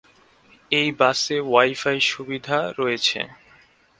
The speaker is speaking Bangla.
এই বাসে ওয়াইফাই সুবিধা রয়েছে।